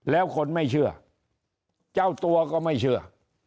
แล้วคนไม่เชื่อเจ้าตัวก็ไม่เชื่อ